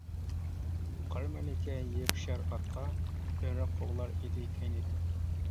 قار مەلىكە يېپىشار ئاتقا، بۆرە قوغلار ئىدى كەينىدىن.